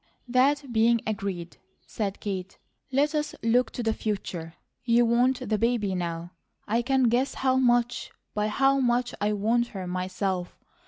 "That being agreed," said Kate, "let us look to the future. You want the baby now, I can guess how much, by how much I want her, myself.